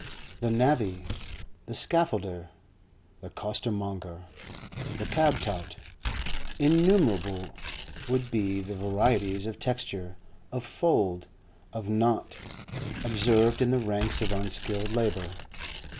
The navvy, the scaffolder, the costermonger, the cab tout—innumerable would be the varieties of texture, of fold, of knot, observed in the ranks of unskilled labour.